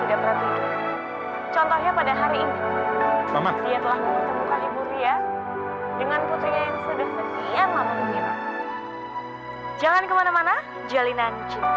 ada posisi yang memiliki jalanan tinggi